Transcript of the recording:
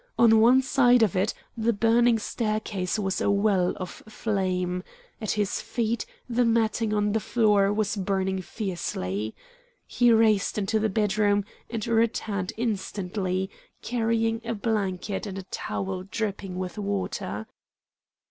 On one side of it the burning staircase was a well of flame; at his feet, the matting on the floor was burning fiercely. He raced into the bedroom and returned instantly, carrying a blanket and a towel dripping with water.